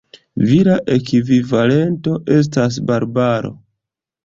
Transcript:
Vira ekvivalento estas Barbaro.